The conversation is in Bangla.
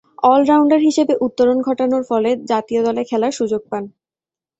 অল-রাউন্ডার হিসেবে উত্তরণ ঘটানোর ফলে জাতীয় দলে খেলার সুযোগ পান।